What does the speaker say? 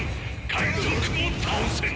界賊も倒せん！